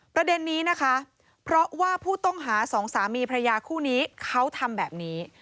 ประเด็นนี้นะคะเพราะว่าผู้ต้องหาสองสามีพระยาคู่นี้เขาทำแบบนี้